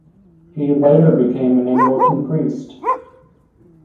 He later became an Anglican priest.